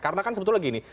karena kan sebetulnya gini